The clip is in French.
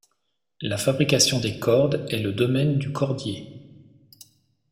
La fabrication des cordes est le domaine du cordier.